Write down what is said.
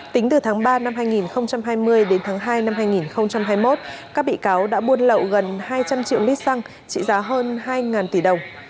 tính từ tháng ba năm hai nghìn hai mươi đến tháng hai năm hai nghìn hai mươi một các bị cáo đã buôn lậu gần hai trăm linh triệu lít xăng trị giá hơn hai tỷ đồng